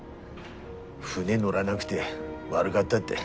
船乗らなくて悪がったって。